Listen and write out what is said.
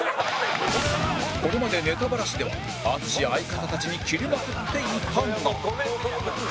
これまでネタバラシでは淳や相方たちにキレまくっていたが